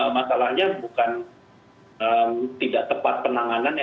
masalahnya bukan tidak tepat penanganannya